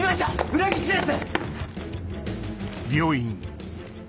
裏口です！